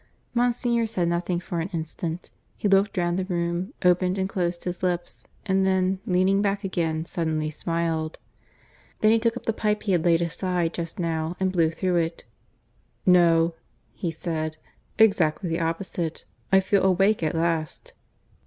Monsignor said nothing for an instant. He looked round the room, opened and closed his lips, and then, leaning back again, suddenly smiled. Then he took up the pipe he had laid aside just now and blew through it. "No," he said. "Exactly the opposite. I feel awake at last."